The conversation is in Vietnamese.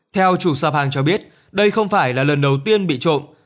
theo chủ sạp hàng cho biết đây không phải là lần đầu tiên bị trộm